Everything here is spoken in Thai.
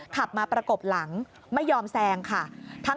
ขับมาประกบหลังไม่ยอมแซงค่ะ